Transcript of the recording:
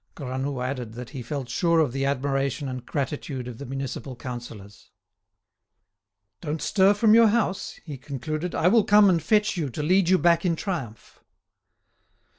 Granoux added that he felt sure of the admiration and gratitude of the municipal councillors. "Don't stir from your house," he concluded; "I will come and fetch you to lead you back in triumph."